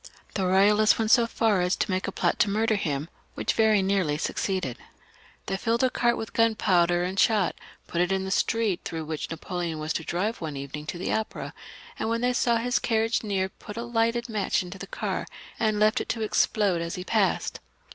The Eoyalists went so far as to make a plot to murder him, which very nearly succeeded. They filled a cart with gun L.] DIRECTORY AND CONSULATE, 429 powder and shot, put it in a street through which Napoleon was to drive one evening to the opera, and when they saw his carriage near put a lighted match into the cart and left it to explode as he passed.